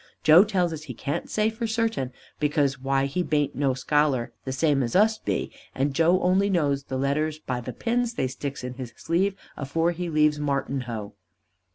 Joe tells as he can't say for certain, because why he baint no scholar the same as us be, and Joe only knows the letters by the pins they sticks in his sleeve afore he leaves Martinhoe.